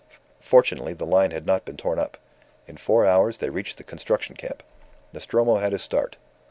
Fortunately the line had not been torn up. In four hours they reached the Construction Camp. Nostromo had his start.